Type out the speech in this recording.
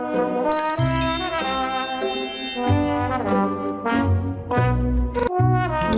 สวัสดีครับ